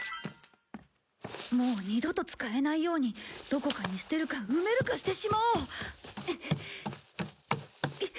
もう二度と使えないようにどこかに捨てるか埋めるかしてしまおう。